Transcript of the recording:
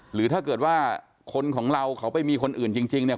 หรือถ้าเกิดว่าคนของเราเขาไปมีคนอื่นจริงเนี่ย